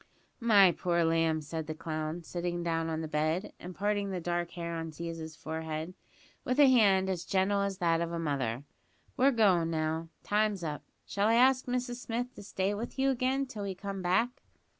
"My poor lamb," said the clown, sitting down on the bed, and parting the dark hair on Ziza's forehead, with a hand as gentle as that of a mother, "we're goin' now. Time's up. Shall I ask Mrs Smith to stay with you again, till we come back?"